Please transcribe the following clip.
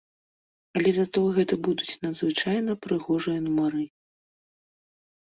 Але затое гэта будуць надзвычайна прыгожыя нумары.